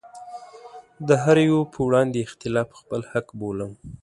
د هره يوه په وړاندې اختلاف خپل حق بولم.